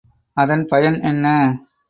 அதன் பயன் என்ன?